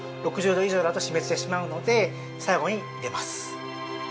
酵素も６０度以上だと死滅してしまうので、最後に入れます。